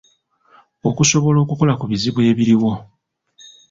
Okusobola okukola ku bizibu ebiriwo.